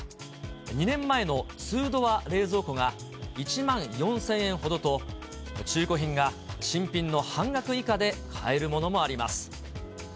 ２年前のツードア冷蔵庫が１万４０００円ほどと、中古品が新品の半額以下で買えるものもあります。